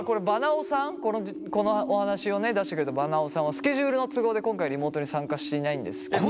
このお話を出してくれたばなおさんはスケジュールの都合で今回リモートに参加していないんですけど。